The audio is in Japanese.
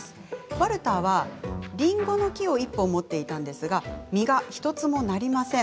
ワルターは、りんごの木を１本持っていたんですが実が１つもなりません。